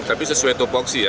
tapi sesuai topok sih ya